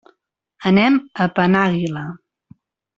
Anem a Penàguila.